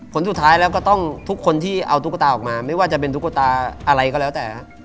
ผลสุดท้ายแล้วก็ต้องทุกคนที่เอาตุ๊กตาออกมาไม่ว่าจะเป็นตุ๊กตาอะไรก็แล้วแต่